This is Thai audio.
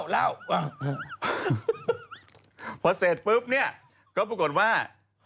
เล่าเพราะเสร็จปึ๊บเนี่ยก็ปรากฎว่า